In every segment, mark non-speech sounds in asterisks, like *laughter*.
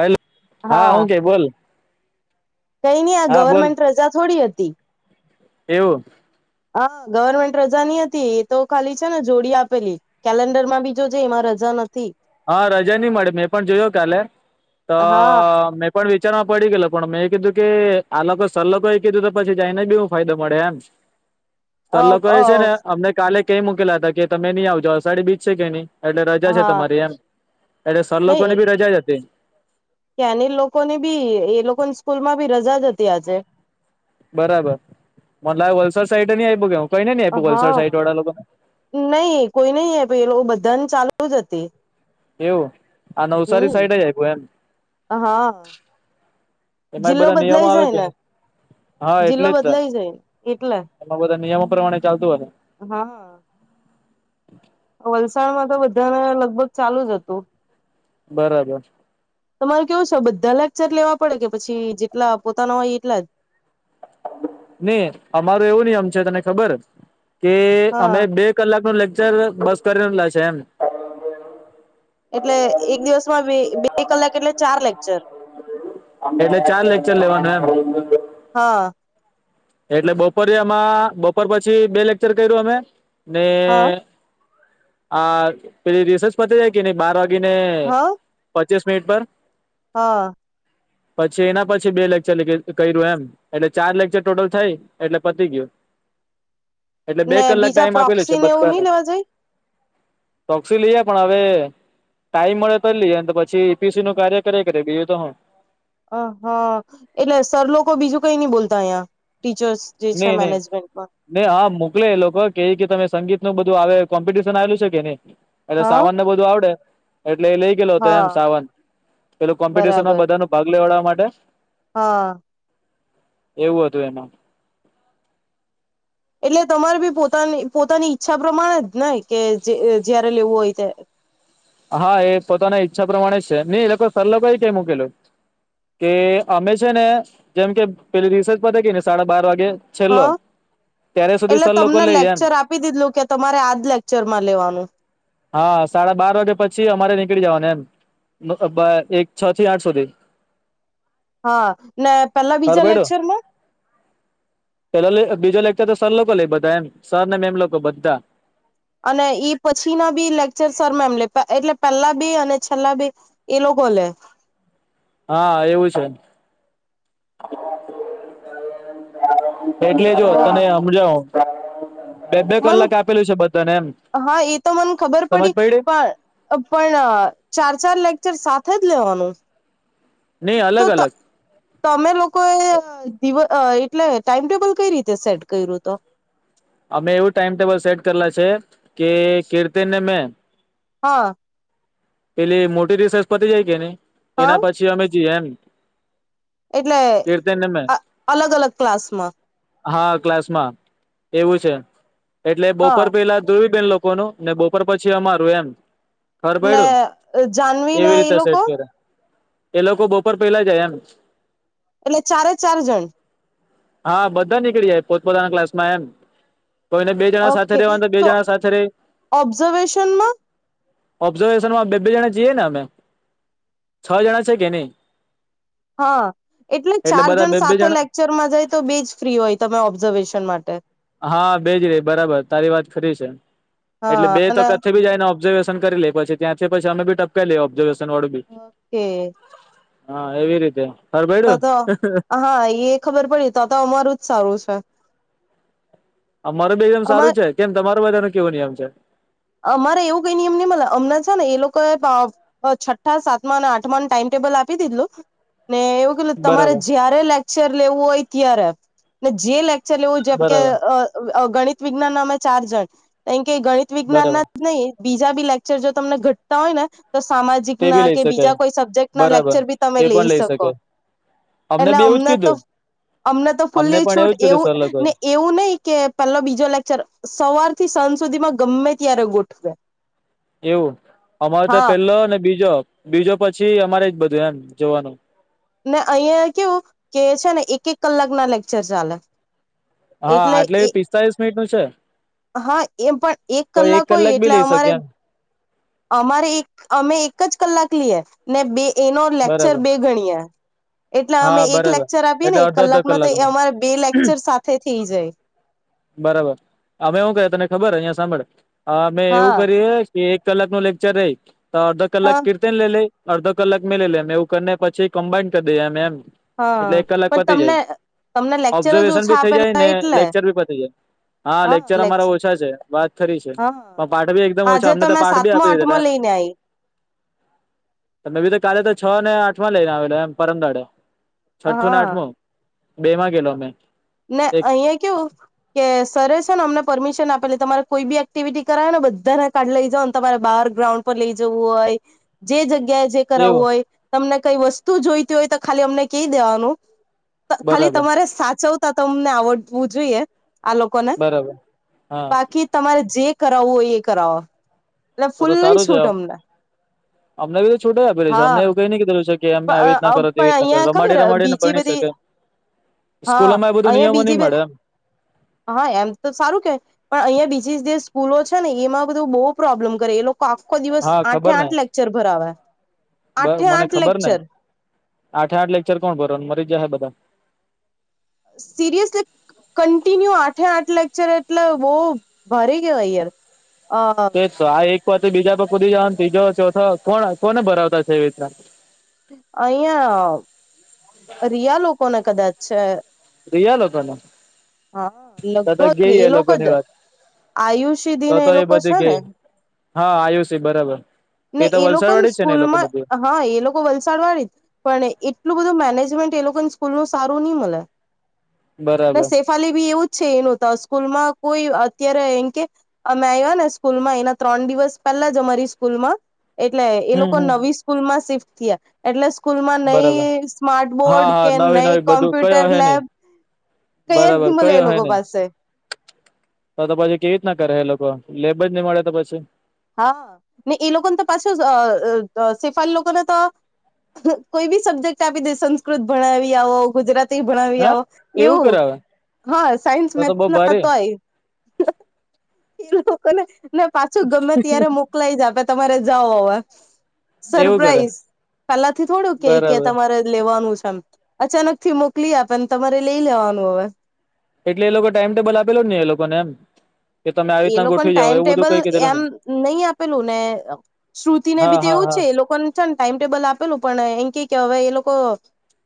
હેલ, હા હું કે બોલ. કઈ નઈ આ હા બોલ ગવર્મેન્ટ રજા થોડી હતી. એવું હા ગવર્મેન્ટ રજા ની હતી એ તો ખાલી છે ને જોડી આપેલી. કેલેન્ડર માં બી જો જે એમાં રજા નથી. હા રજા નહી મળે, મેં પણ જોયો કાલે. ત હા મે પણ વિચારમાં પડી ગેલો, પણ મેં કીધું કે આ લોકો સર લોકો એ કીધું તો પછી જઈને બી હુ ફાયદો મળે એમ. *inaudible* સર લોકોએ છેને, અમને કાલે કઈ મુકેલા હતા, કે તમે નહી આવજો અસાઢી બીચ છે કે નહી એટલે અ રજા છે હા તમારી એમ, એટલે સર લોકો નહી ની બી રજાજ હતી. ત્યાંની લોકો નીબી, એ લોકોની સ્કૂલ માં બી રજા જ હતી આજે. બરાબર. મને લાગ વલસાડ સાઈડ ની આયપૂ કે કોય ને ની આયપૂ વલસાડ સાઈડ વાળા લોકોને નય કોઈ ને ની આપેલી એ લોકો બધાને ચાલુ જ હતી. એવું આ નવસારી હમ સાઈડ જ આયપુ એમ. હા એમાં બી જિલ્લો બધા નિયમો બદલાઈ આવે જાય કે ને ની. હા જિલ્લો એટલે જ તો બદલાઈ જાય એટલે બધું નિયમો પ્રમાણે ચાલતું અહે. હા વલસાડમાં તો બધાને લગભગ ચાલુ જ હતું. બરાબર. તમારે કેવું છે બધા લેક્ચર લેવા પડે કે પછી જેટલા પોતાના હોય એટલા જ. ને અમારો એવું નિયમ છે તને ખબર કે અમે હા બે કલાક નું લેક્ચર બસ કરીને લેશે એમ. એટલે એક દિવસમાં બે બે કલાક એટલે ચાર લેક્ચર *inaudible* એટલે ચાર લેક્ચર લેવાનું એમ. હા. એટલે બપોરે એમાં, બપોર પછી બે લેકચર કર્યું અમે ને હા આ પેલી રિસેસ પતી હે કે નય બાર વાગે ને હા પચીસ મિનિટ પર હા. પછી એના પછી બે લેકચર લગ કર્યું એમ એટલે ચાર લેક્ચર ટોટલ થાય એટલે પતી ગીયું. ને બીજા ટાઈમ આપેલું છે પ્રોક્સી ને એવું ની લેવા જાય. પ્રોકસી લઈએ પણ હવે ટાઈમ મળે તો જ લઈએ ની તો પછી એપીસી નું કાર્ય કર્યા કરે બીજું તો હું. અ હા એટલે સર લોકો બીજું કઈ નઈ બોલતા અયા ટીચર્સ જે છે નહી નહી મેનેજમેન્ટ માં ને હા મોકલે એ લોકો કેય કે તમે સંગીત ને બધું આવે કોમ્પિટિશન આવેલી છે કે ની એટલે હા સાવન ને બધું આવડે એટલે એ લઈ ગેલો હતો હા એમ સાવન પેલું કોમ્પિટિશન માં બરાબર બધા ને ભાગ લેવાડાવા માટે હા. એવું હતું એમાં એટલે તમારે બી પોતાની પોતાની ઈચ્છા પ્રમાણે જ ને કે જે જયારે લેવું હોય ત્યાં હા એ પોતાના ઈચ્છા પ્રમાણે જ છે નઈ એ લોકો સર લોકો યેજ કેય મૂકેલુ. કે અમે છે ને જેમ કે પેલી રિસેસ પતે કે ની સાડા બાર વાગે છેલ્લો હા ત્યારે સુધી એટલે સર લોકો તમને લેય એમ લેક્ચર આપી દીધલું કે તમારે આજ લેક્ચર માં લેવાનું. હા સાડા બાર વાગે પછી અમારે નીકળી જવાનું એમ એક છ થી આઠ સુધી હા ને પેલા બીજા હરબડો લેક્ચર માં પેલો બીજો લેક્ચર તો સર લોકો લેય બધા એમ સર ને મેમ લોકો બધા અને ઈ પછી ના બી લેક્ચર સર મેમ લે એટલે પેલા બે અને છેલ્લા બે એ લોકો લેય. હા એવું છે. એટલે જો હા તને હમજાવ બે બે મન કલાક આપેલું છે બધાને એમ હા એ તો મને ખબર સમજ પડી? પણ પણ ચાર ચાર લેકચર સાથે જ લેવાનું? નહી અલગ અલગ. તો અમે લોકોએ દિવ એટલે ટાઈમટેબલ કઈ રીતે સેટ કર્યું તો? અમે એવું ટાઈમ ટેબલ સેટ કરેલા છે કે કીર્તિન ને મેં હા. પેલી મોટી રિસેસ પતી જાય કે ની હા એના પછી અમે જીએ એમ એટલે કીર્તનને મેં અલગ અલગ ક્લાસમાં હા ક્લાસમાં એવું છે એટલે હા બપોર પેલા ધુવી બેન લોક કોનું ને બપોર પછી અમારું એમ ખબર પયડુ. અ જાન એવી રીતે સેટ કર્યા એ લોકો બપોર પેલા જાય એમ? એટલે ચારે ચાર જણ? હા બધા નીકળી જાય પોતપતાના ક્લાસ માં એમ તો એને બે જણા સાથે રહેેવાનું તો બે જણા સાથે રે ઓબ્ઝર્વેશનમાં *unintelligible* ઓબ્ઝર્વ. બે બે જણા જીએ ને અમે છ જણા છે કે નહી? હા એટલે ચાર બધા જણ બે બે સાથે લે જણા રમાં જાય તો બેજ ફ્રી હોય તમે ઓબ્ઝર્વેશન માટે હા બેજ રહી બરાબર તારી વાત ખરી છે. એટલે હા બે તો અને કથથે ભી જાય ઓબ્ઝર્ેશન કરી લે. પછી ત્યાંથી પછી અમે બી ટપકા લઈએ ઓબ્ઝર્વેશન વાળું બી, ઓકે હા એવી રીતે ખબર તો પયડું તો હા એ ખબર પડી તો તો અમારું જ સારું છે. આ મારું બે એકદમ અમા સારું છે કેમ તમાર બધા નનો કેવો નિયમ છે? અમારે એવું કઈ નિયમ નઈ મ અમણાં છે ને એ લોકો પા છઠ્ઠા સાતમા અને આઠમા ટાઈમ ટેબલ આપી દીધલું ને એવું તમારે બરાબર જયારે લેક્ચર લેવું હોય ત્યારે જે લેક્ચર લેવું જેમ કે બરાબર ગણિત વિજ્ઞાન ના અમે ચાર જણ કારણ કે ગણિત વિજ્ઞાન બરાબર ના જ નહી બીજા બી લેક્ચર જો તમને ઘટતા હોય ને તો સામાજિક તે ના બી લઈ કે શકાય બીજા કોઈ સબ્જેક્ટ ના બરાબર લેક્ચર બી તમે એ લઈ પણ શકો. શકાય એટલે બી એવું જ અમને તો કીધું અમને તો ફુલ્લી પણ છૂટ જ કીધું એવું સર લોકોએ ને એવું નહીિ કે પેલો બીજો લેક્ચર સવાર થી સાંજ સુધીમાં ગમે ત્યારે ગોઠવેહ એવું અમારો તો પેલો બીજો બીજો પછી અમારે જ બધું એમ જોવાનું. ને અહિયાં કેવું કે છે ને એક એક કલાક ના લેક્ચર ચાલે. હા એટલે આટલે એ પિસ્તાલીસ મિનિટ નું છે. હા એમ પણ એક તો કલાક હોય બી એટલે લઈ શકે અમારે એમ અમારે એક અમે એક જ કલાક લઈએ ને બે એનો લેક્ચર બરાબર બે ગણીએ એટલે હા અમે એક બરાબર લેક્ચર આપીએ ને એટલે એક અડધો અડધો કલાક ન તો એ કલાકનો અમારે બે લેક્ચર સાથે થઇ જાય. બરાબર અમે એવું કર તને ખબર? અહિયાં સાંભળ અમે એવું હા કરીએ કે એક કલાક નું લેક્ચર રહી તો અડધો કલાક હા ક લે લે અડધો કલાક મેં લઈ લે એમ એવું કરીને પછી કમ્બાઈડ કરી દઈએ એમ. હા એટલે એક કલાક પણ પતી જાય તમને તમને લેક્ચર જ ઓબ્ઝર્વેશન બી ઓછા થઇ જાય ને આપેલા એટલે લેક્ચર ભી પતી જાય. હા લેક્ચર અમારા ઓછા છે વાત ખરી છે હા પણ પાઠ બી એકદમ ઓછા આજે અમને તો મેં પાઠ બી સાતમો આપી આઠમો દીધે. લઈને આઈ તમે બી તો કાલે તો છ ને આઠ માં લઈને આવેલા એમ પરમંદાડે. છઠ્ઠું ને હા આઠમું બે માં ગેલો મે. ના અહીંયા હા કે સરરે છે ને અમને પરમિશન આપેલી તમારે કોઈ બી એક્ટિવિટી કરાવે ને બધાને ક કાર્ડ લઈ જાવ ને તમારે બહાર ગ્રાઉન્ડ લઈ જવું હોય જે જગ્યાએ જે કરાવવું એવું હોય તમને કઈ વસ્તુ જોઈતી હોય તો ખાલી અમને કહી દેવાનું ખાલી બરાબર તમારે સાચવતા તમને આવડવું જોઈએ આ લો કો ને બરાબર હા બાકી તમારે જે કરાવવું હોય એ કરાવો એટલે તો તો ફૂલ્લી સારું છે છૂટ અમને અમને બી તો છૂટો આપે રહી છે અમને હા એવું કઈ ન કીધેલું છે કે અમે આવી રીતના કરો તેવી પણ રીતના કરો અહિયાં રમાડી ખબર રમાડીને બીજી ભણી બધી શકે. હા સ્કૂલોમાં એ બધું અહિયાં નિયમો બીજી નહી બધી મળે એમ. હા એમ તો સારું કે, પણ અહીંયા બીજી જે સ્કૂલો છે ને એમાં બધું બહુ પ્રોબ્લેમ કરે એ લોકો આખખો દિવસ હા આઠે ખબર ને આઠ લેક્ચર ભરાવા આઠે મને આઠ લે ખબર ને આઠે આઠ લેક્ચર કોણ ભરને મરી જાહે બધા, સીરયસ લીક કન્ટિન્યુ આઠે આઠ લેક્ચર એટલે બહુ ભારી કેવાય યાર અ તેજ તો આ એકવાથી બીજા કુદી જવા ત્રીજો ચોથો કોણ કોને ભરાવતા છે એવી રીતના અહીંયા રિયા લોકો ને કદાચ રિયા લોકો ને હા, લગભગ એ લોકો જ લોકોની વાત તો આયુષ્યધિને તો એ લોકો છે બધી ને ગઈ હા આયુષી બરાબર ને તે તો એ વલસાડ લોકોને વાડે જ છે, ને એ લોકો સ્કૂલમાં બધી. હા એ લોકો વલસાડ વાળી જ પણ એટલું બધું મેનેજ, તે લોકો ને સ્કૂલ નું સારું ન મળે ને બરાબર સેફ ખાલી બી એવું જ છે, એનું તો સ્કૂલમાં કોઈ અત્યારે એમ કે. અમે આવ્યા ને સ્કૂલમાં એના ત્રણ દિવસ પહેલા જ અમારી સ્કૂલમાં, એટલે એ હમ લોકો હમ નવી સ્કૂલમાં શિફ્ટ થયા એટલે સ્કૂલમાં બરાબર નઈ સ્માર્ટ હા બોર્ડ હા કે નવી નઈ નવી બધું કયો કોમ્પ્યુટર હે, ને લેબ કઈ જ બરાબર મળે એ કયો હે લોકો ને પાસે તો તો પછી કેવી રીતના કરે એ લોકો લેબ જ નહીં મળે તો પછી હા એ લોકોને તો પાછું સેફા લોકોને તો, કોઈ બી સબ્જેક્ટ આપી દે સંસ્કૃત ભણાવી આવો, ગુજરા તી ભણાવી હા આવો એવું કરાવે હા સાયન્સ મે તો હોય, એ લોકોને ને પાછું ગમે ત્યારે મોકલાઈ જ આપે તમારે જાઓ હવે એવું કરે સરપ્રાઈઝ પેલાથી થોડું કે કે બરાબર તમારે લેવાનું છે, એમ અચાનક થી મોકલી આપેને તમારે લઈ લેવાનું હવે એટલે એ લોકો ટાઈમ ટેબલ આપેલો જ ની એ લોકોને એમ. કે તમે આવી એ રીતના લોકોને ગોઠવી જાવ એવું બધું ટાઈમટેબલ કઈ કીધેલું એમ ને નહીં આપેલું ને શ્રુતિ ને હા બી તો હા એવું હા છે, એ લોકોને છે, ને ટાઈમ ટેબલ આપેલું પણ એમ કે કે હવે એ લોકો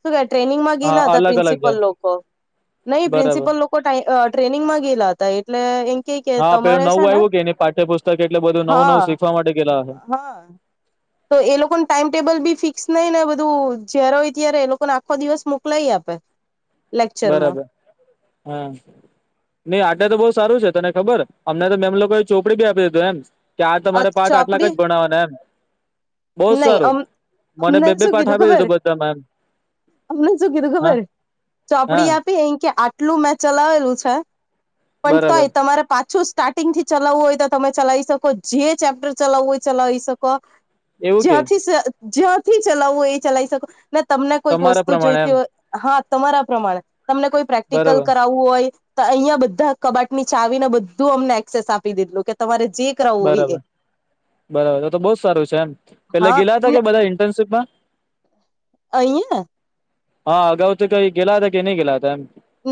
શું કે ટ્રેનિંગમાં હા ગયેલા હતા, અલગ અલગ પ્રિન્સિપલ જાય લોકો નહીં બરાબર પ્રિન્સિપલ લો ટ્રેનિંગ માં ગેલા હતા એટલે એ હા પેલું નવું આવ્યું, કે ને પાઠ્યપુસ્તક એટલે નવું હા નવું શીખવા માટે ગેલા ઓહે હા તો એ લોકોને ટાઈમ ટેબલ બી ફિક્સ નઈ ને બધું જ્યારે હોય ત્યારે એ લોકોને આખો દિવસ મુ ક્લાઈ આપે લેક્ચરમાં બરાબર હા નઈ આટલે તો બહુ સારું છે, તને ખબર અમને તો મેમ લોકો ચોપડી ભી આપી દીધું એમ કે આ અ તમારે પાઠ આટલા ચોપડી ક જ ભણવાના એમ બહુ જ નહી સારું અમ મને અમને બે બે શું પાઠ કીધું આપી ખબર દીધું બધામાં એમ અમને શું કીધું હા ખબર. હા ચોપડી આપી એ કે આટલું મેં ચલાવેલું છે, પણ બરાબર તોય તમારે પાછું સ્ટાર્ટિંગ થી ચલાવવું હોય તો તમે ચલાવી શકો જે ચેપ્ટર ચલાવવું હોય ચલાવી શકો, એવું કે જ્યાંથી જ્યાંથી ચલાવવું એ ચલાવી શકો, તમને કોઈક તમારા વસ્તુ પ્રમાણે એમ જોઈતી હોય હા તમારા પ્રમાણે તમને કોઈ પ્રેક્ટિકલ બરાબર કરાવવું હોય તો અહીં બધા કબાટ ની ચાવી ને બધું અમને એક્સેસ આપી દીધલું કે તમારે જે હોય એ બરાબર બરાબર તો બઉ સારું છે, એમ પેલા હા ગેલા હતા કે બધા ઇન્ટર્નશીપ માં અહીંંયા હા અગાઉ તો કંઈ ગેલા હતા કે નહી ગેલા હતા એમ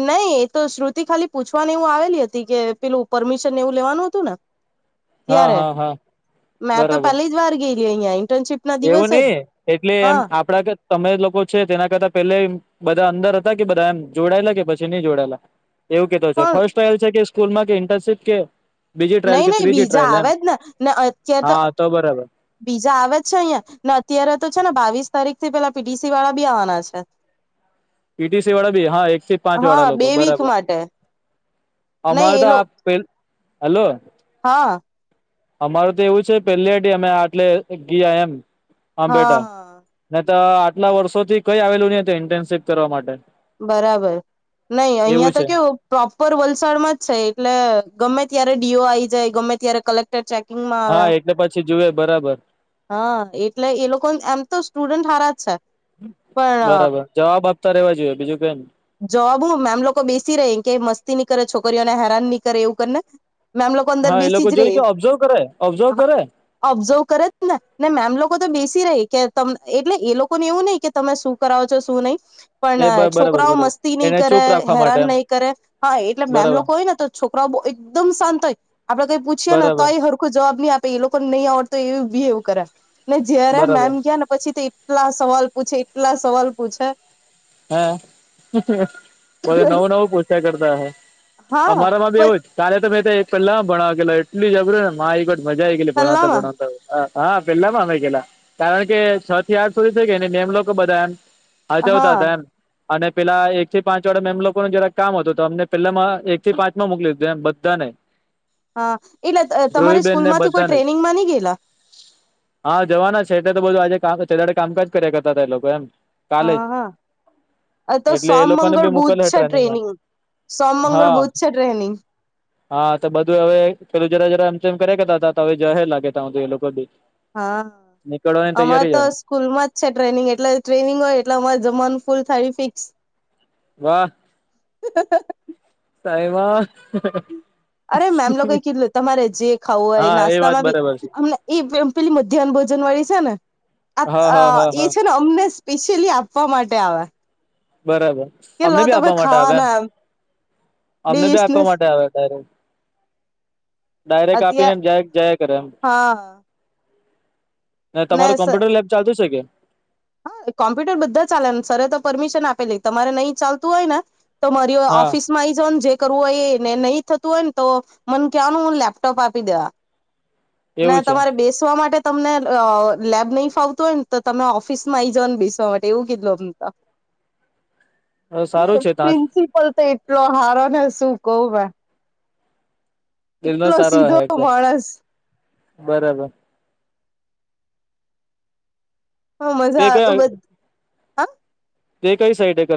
નહીં એ તો શ્રુતિ ખાલી પૂછવાનું એવું આવેલી હતી, કે પેલું પરમિશન એવું લેવાનું હતું ને હા ત્યારે હા હા મેં તો બરાબર પેલી જ વાર ગેયલી અહીંયા ઇન્ટર્નશીપ ના એવું દિવસે જ નહીં એટલે એમ હા આપડા તમે લોકો છે, તેના કરતા પેહલે બધા અંદર હતા કે બધા એમ જોડાયેલા કે પછી નહી જોડાયેલા. એવું કીધું છે પણ ફર્સ્ટલ છે કે સ્કૂલમાં કે ઇન્ટર્નશીપ કે બીજી ટ્રાયલ નઈ કે નહી ત્રીજી બીજા ટ્રાયલ એમ આવે જ ને ને અત્યારે તો હા બરાબર બીજા આવે જ છે અહિયાં ને અત્યારે તો છે ને બાવીસ તારીખ થી પેલા પીડીસી વાળા બી આવવાના છે. પીટીસી વાળા બી હા એકથી પાંચ વાળા હા બે લોકો વીક બરાબર માટે નહી અમારે એ તો લો આપ પેલ હલો હા. અમારું તો એવું છે પેલીઢ અમે આટલે ગયા એમ હા આબેટા હા ને તો આટલા વર્ષો થી કઈ આવેલું નહ ઇન્ટર્નશીપ કરવા માટે બરાબર નહી એવું અહિયાં તો છે કેવું પ્રોપર વલસાડમાં જ છે એટલે ગમે ત્યારે ડીઓ આ આવી જાય ગમે ત્યારે કલેક્ટ ચેકિંગમાં હા આવે એટલે પછી જુએ બરાબર હા એટલે એ લોકો એમ તો સ્ટુડન્ટ હારા જ છે. બરાબર પણ જવાબ આપતા રહેેવા જોઈએ બીજું કાઇ જવાબ હું આમ લોકો બેસી રહે કે મસ્તી નહી કરે છોકરીઓને હેરાન નહી કરે એવું કર ને હા એ લોકો જોઈ કે ઓબ્ઝર્વ કરે ઓબ્ઝર્વ કરે ઓબ્ઝર્વ કરે જ ને ને મેમ લોકો તો બેસી રહે કે તમ એટલે એ લોકોને એવું નહી કે તમે શું કરાવો છો શું નહી એ પણ બરાબર છોકરાઓ બરાબર મસ્તી નહીં એને કરે ચૂપ રાખવા માટે હેરાન એમ નહી કરે. હા એટલે મેમ બરાબર લોકો હોય ને તો છોકરાઓ બહુ એકદમ શાંત હોય આપડે કઈ પૂછીએ ને બરાબર તોય જવાબ નહી આપે એ લોકોને નહીં આવડતો એ બિહેવ કરે ને જય્યારે બરાબર મેમ ગયા ને પછી તો એ એટલા સવાલ પૂછે એટલા સવાલ પૂછે. હા બ નવું નવું પોછ્યા કરતા હ હા અમારામાં બી એવું જ કાલે તો મેં એક પેલા ભણાવે એટલી જબર મા એકટ મજા આવી ગેલી ભણાવતા પલ્લામાં ભણાવતા હા પેલામાંમે ગેલા કારણ કે છ થી આઠ સુધી થઈ ગયા નેને એમ લોકો બધા હાજવ હા તા અને પેલા એક થી પાંચ વાળે એમ લોકો ન જરાક કામ હતો તો અમને પેલામાં એક થી પાંચ માં મોકલી દીધું એમ બધા ને હા એટલે તમારી ધ્રુવીબેન ને સ્કૂલ માંથી કોઈ બધાને ટ્રેનિંગ માં નઇ ગયેલા હા જવાના છેટે તો બધું આજે છેે કામકાજ કર્યા કરતા હતા એ લોકો એમ કાલે અ તો એટલે એ સોમ લોકોને મંગળ બી બૂધ મોકલ છે ટ્રેનિંગમાં ટ્રેનિંગ સોમ મંગળ હા બૂધ છે ટ્રેનિંગ. હા તો બધું હવે પેલું જરા જરા એમમ કરે કરતા હતા તો હવે જહેર લાગે તું એ લોકો બી હા નીકળવાની અમારે તૈયારી તો છે. સ્કૂલમાં જ છે ટ્રેનિંગ એટલે ટ્રેનિંગ હોય એટલે અમારે જમાનું ફૂલ થાય ફિક્સ વાહ. *unintelligible* સાહેમાં અરે મેમ લોકો કેટલું તમારે જે ખાવું હોય હા એ વાત નાસ્તામાં બી બરાબર છે હમ એમ પેલી મધ્યાહન ભોજન વાળી છે ને હા હા આ હા એ હા છે ને અમને સ્પેશિયલી આપવા માટે આવે. બરાબર. કે અમને લો બી તમે આપવા માટે આવે એમ, ખાવાના અમને બી ડીશ ને આપવા માટે આવે ડાયરેક ડાયરેક્ટ અત્યાર આપીને જાયક જાય કરે એમ હા ને તમારું કમ્પ્યુટર લેબ ચાલતું છે કે હા કોમ્પ્યુટર બધા ચાલે ને સર રે તો પરમિશન આપેલી તમારે નહી ચાલતું હોય ને તો મારી હા ઓફિસમાં આવીઈ જાાવ ને જે કરવું હોય એને નહી થતું હોય ને તો. મને ક્યાનું હું લેપટોપ આપી દેવા. ને એવું છે તમારે બેસવા માટે તમને અ લેબ નહીં ફાવતું હોય ને તો તમે ઓફ ફિસ ઈજન બેસવા માટે એવું કે ધું અમ ત સારું છે તા પ્રિન્સિપલ તો એટલો હારો ને શું કવ મે બિલનો સારો સીધો હલે માણસ બરાબર હા તે મજા ઉ કઈ તે કઈ સાઇડે કરે